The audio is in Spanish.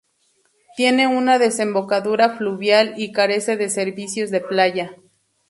Tiene una desembocadura fluvial y carece de servicios de playa.